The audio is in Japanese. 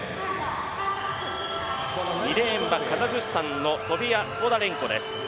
２レーンはカザフスタンのソフィア・スポダレンコです。